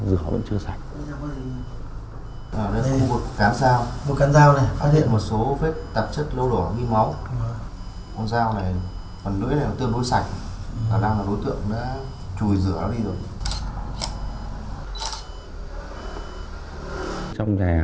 chưa thì tâm hồn